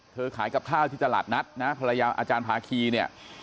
ขายกับข้าวที่ตลาดนัดนะภรรยาอาจารย์ภาคีเนี่ย